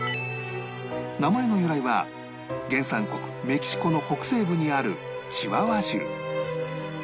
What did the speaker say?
名前の由来は原産国メキシコの北西部にあるチワワ州